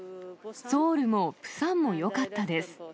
ソウルもプサンもよかったです。